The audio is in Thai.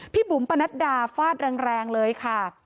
บุ๋มปนัดดาฟาดแรงเลยค่ะ